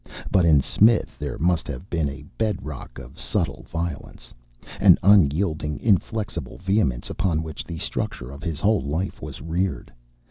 But in Smith there must have been a bed rock of subtle violence, an unyielding, inflexible vehemence upon which the structure of his whole life was reared.